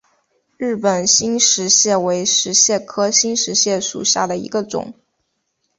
日本新石蟹为石蟹科新石蟹属下的一个种。